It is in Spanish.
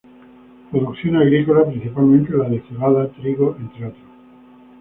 Producción agrícola principalmente la de cebada, trigo, entre otros.